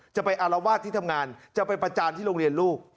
จะไปอารวาสที่ทำงานจะไปประจานที่โรงเรียนลูก